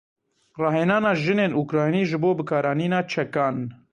Rahênana jinên Ukraynî ji bo bikaranîna çekan.